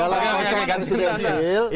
dalam konsep dari sudensil